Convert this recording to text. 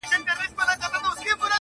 بس کیسې دي د پنځه زره کلونو,